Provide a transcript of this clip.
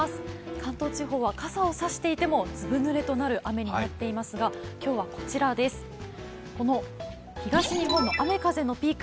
関東地方は傘を差していてもずぶ濡れとなる雨となっていますが今日はこちらです、東日本の雨風のピーク